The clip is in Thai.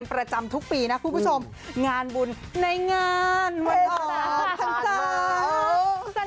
ประจำทุกปีนะคุณผู้ชมงานบุญในงานวันออกพรรษา